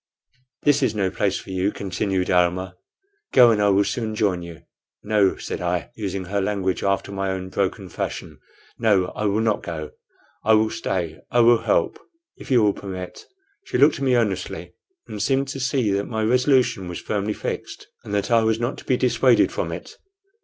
"This is no place for you," continued Almah. "Go, and I will soon join you." "No," said I, using her language after my own broken fashion "no, I will not go I will stay, I will help, if you will permit." She looked at me earnestly, and seemed to see that my resolution was firmly fixed, and that I was not to be dissuaded from it.